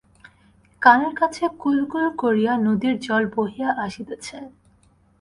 কানের কাছে কুল কুল করিয়া নদীর জল বহিয়া আসিতেছে।